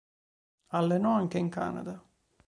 Allenò anche in Canada.